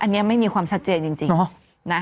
อันนี้ไม่มีความชัดเจนจริงนะ